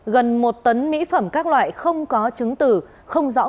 gần một tấn mỹ phẩm các loại không có chứng từ không rõ nguồn góp